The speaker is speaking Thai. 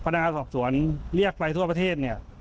พนักงานศักดิ์สวนเรียกไปทั่วประเทศ